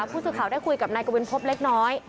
ผู้สื่อข่าวได้คุยกับนายกวินพบเล็กน้อย